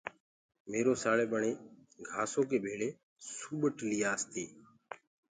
ميرو سآݪي ٻيڻ گھآسو ڪي ڀݪي سوپٽ ليآس تي۔